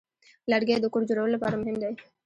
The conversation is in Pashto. لرګی د کور جوړولو لپاره مهم دی.